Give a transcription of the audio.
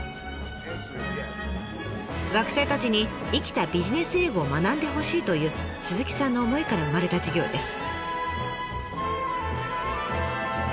学生たちに生きたビジネス英語を学んでほしいという鈴木さんの思いから生まれた授業です。